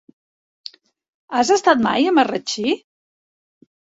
Has estat mai a Marratxí?